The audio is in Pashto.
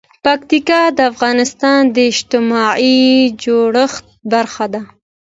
پکتیا د افغانستان د اجتماعي جوړښت برخه ده.